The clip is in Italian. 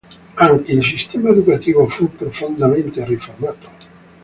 Anche il sistema educativo fu profondamente riformato.